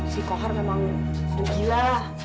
si kohar memang sedih gila